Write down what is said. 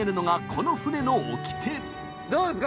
どうですか？